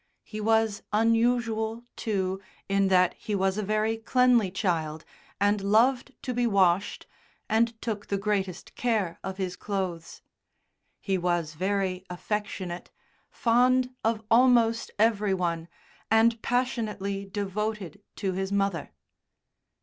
He was unusual, too, in that he was a very cleanly child, and loved to be washed, and took the greatest care of his clothes. He was very affectionate, fond of almost every one, and passionately devoted to his mother.